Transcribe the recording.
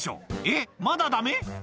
「えっまだダメ？」